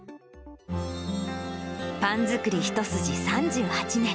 パン作り一筋３８年。